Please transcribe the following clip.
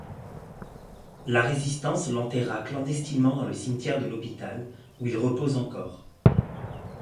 La Résistance l'enterra clandestinement dans le cimetière de l'hôpital, où il repose encore.